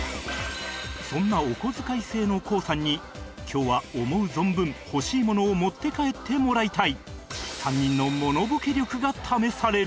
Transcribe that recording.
そんなお小遣い制の ＫＯＯ さんに今日は思う存分欲しいものを持って帰ってもらいたい